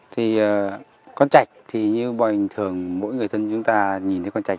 thì con trạch thì như bình thường mỗi người thân chúng ta nhìn thấy con trạch